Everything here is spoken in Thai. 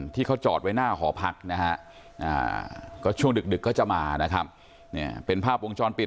ที่เขาจอดไว้หน้าหอพักนะฮะก็ช่วงดึกก็จะมานะครับเป็นภาพวงจรปิด